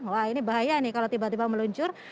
wah ini bahaya nih kalau tiba tiba meluncur